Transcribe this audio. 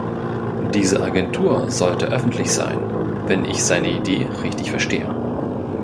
Diese Agentur sollte öffentlich sein, wenn ich seine Idee richtig verstehe.